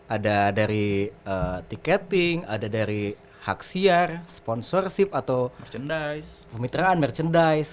ada dari tiketing ada dari hak siar sponsorship atau pemitraan merchandise